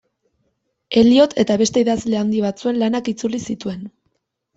Elliot eta beste idazle handi batzuen lanak itzuli zituen.